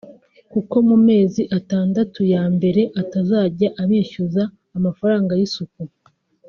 kuko mu mezi atandatu ya mbere atazajya abishyuza amafaranga y’isuku